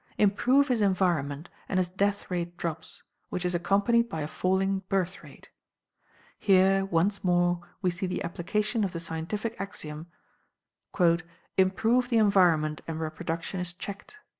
Improve his environment, and his death rate drops, which is accompanied by a falling birth rate. Here, once more we see the application of the scientific axiom "Improve the environment and reproduction is checked."